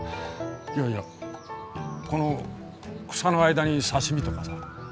いやいやこの草の間に刺身とかさ。